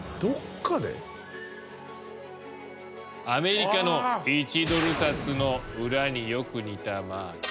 アメリカの１ドル札の裏によく似たマーク。